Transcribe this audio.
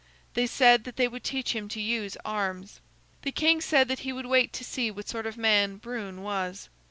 They said that they would teach him to use arms. The king said that he would wait to see what sort of man Brune was.